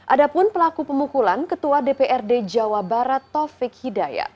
ada pun pelaku pemukulan ketua dprd jawa barat taufik hidayat